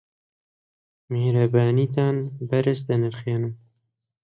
میهرەبانیتان بەرز دەنرخێنم.